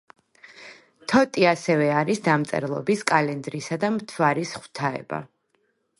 თოტი ასევე არის დამწერლობის, კალენდრისა და მთვარის ღვთაება.